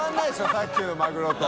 さっきのマグロと。